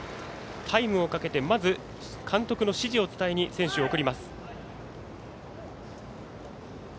タイムをかけてまず監督の指示を伝えに選手を送ります。